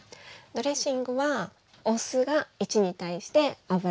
ドレッシングはお酢が１に対して油が３。